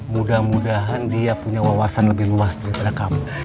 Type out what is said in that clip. mudah mudahan dia punya wawasan lebih luas daripada kamu